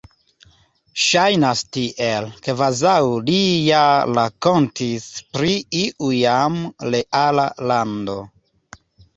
Ŝajnas tiel, kvazaŭ li ja rakontis pri iu jam reala lando.